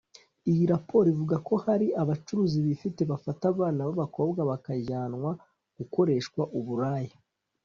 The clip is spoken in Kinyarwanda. Iyi raporo ivuga ko hari abacuruzi bifite bafata abana b’abakobwa bakajyanwa gukoreshwa uburaya